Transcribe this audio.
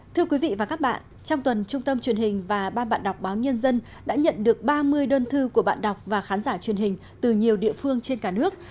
thưa quý vị và các bạn trong tuần trung tâm truyền hình và ban bạn đọc báo nhân dân đã nhận được ba mươi đơn thư của bạn đọc và khán giả truyền hình từ nhiều địa phương trên cả nước